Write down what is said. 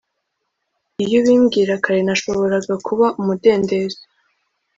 iyo ubimbwira kare, nashoboraga kuba umudendezo